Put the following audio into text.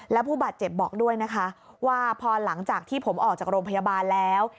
แล้วผู้บาดเจ็บบอกด้วยนะคะว่าพอหลังจากที่ผมออกจากโรงพยาบาลแล้ว